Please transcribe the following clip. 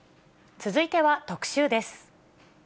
続いては特集です。